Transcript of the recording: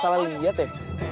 kalo gue gak salah liat ya